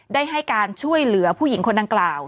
ได้ให้การช่วยเหลือผู้หญิงคนดังกล่าว